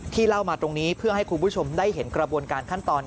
เล่ามาตรงนี้เพื่อให้คุณผู้ชมได้เห็นกระบวนการขั้นตอน